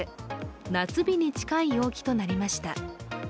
夏日に近い陽気となりました。